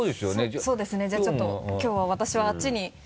そうですねじゃあちょっときょうは私はあっちに。